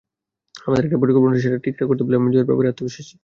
আমাদের একটা পরিকল্পনা আছে, সেটা ঠিকঠাক করতে পারলে আমি জয়ের ব্যাপারে আত্মবিশ্বাসী।